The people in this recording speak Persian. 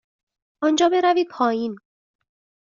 آنجا بروید پایین.